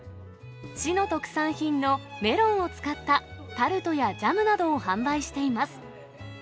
市の特産品のメロンを使ったタルトやジャムなどを販売しています。